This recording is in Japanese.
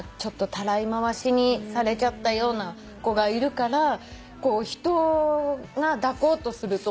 たらい回しにされちゃったような子がいるから人が抱こうとするとものすごい怖がるの。